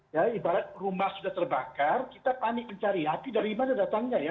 ya ibarat rumah sudah terbakar kita panik mencari api dari mana datangnya ya